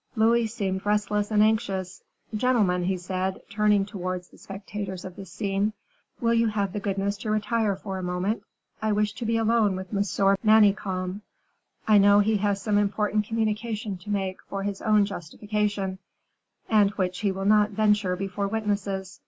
Louis seemed restless and anxious. "Gentlemen," he said, turning towards the spectators of this scene, "will you have the goodness to retire for a moment. I wish to be alone with M. de Manicamp; I know he has some important communication to make for his own justification, and which he will not venture before witnesses....